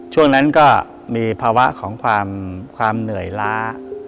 ช่วงนั้นก็มีภาวะของความเหนื่อยล้า